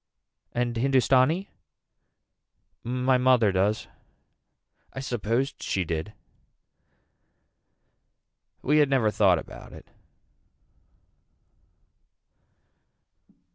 And Hindustani. My mother does. I supposed she did. We had never thought about it.